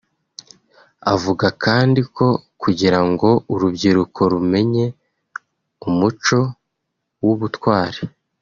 Avuga kandi ko kugira ngo urubyiruko rumenye umuco w’ubutwari